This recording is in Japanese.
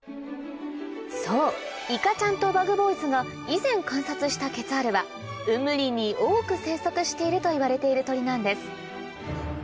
そういかちゃんとＢｕｇＢｏｙｓが以前観察したケツァールは雲霧林に多く生息しているといわれている鳥なんです